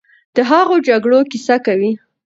د هغو جګړو کیسه کوي،